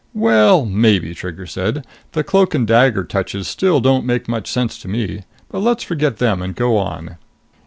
"Well, maybe," Trigger said. "The cloak and dagger touches still don't make much sense to me. But let's forget them and go on.